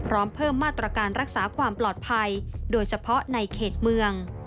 พร้อมเพิ่มมาตรการรักษาความปลอดภัยโดยเฉพาะในเขตเมือง